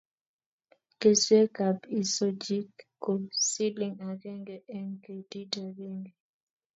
keswek ab isochik ko siling agenge eng' ketit agenge